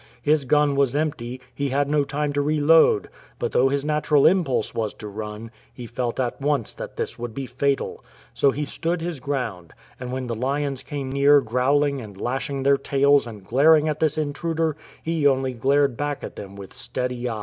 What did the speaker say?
His gun was empty, he had no time to reload ; but though his natural impulse was to run, he felt at once that this would be fatal. So he stood his ground, and when the lions came near growling and lashing their tails and glaring at this in truder, he only glared back at them with steady eyes.